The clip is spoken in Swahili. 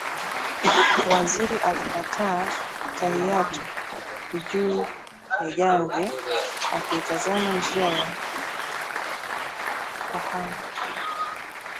Waziri alikaa tahiyatu juu ya jamvi, akiitazama njiya kwa hamu